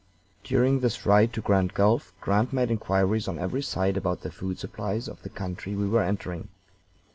During this ride to Grand Gulf Grant made inquiries on every side about the food supplies of the country we were entering.